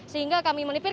sehingga kami melipir